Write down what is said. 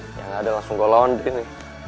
hah ya gak ada langsung gue lawan di sini